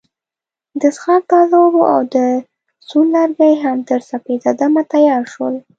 د څښاک تازه اوبه او د سون لرګي هم تر سپیده دمه تیار شول.